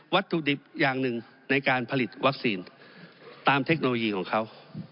วัตถุดิบอย่างหนึ่งในการผลิตวัคซีนตามเทคโนโลยีของเขา